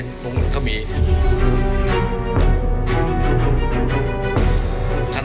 มือครับมือครับมือครับ